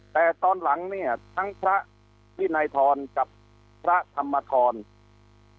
แต่ตอนหลังเนี่ยทั้งพระวินัยทรกับพระธรรมธร